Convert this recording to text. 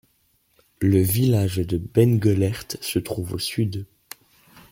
Le village de Beddgelert se trouve au sud.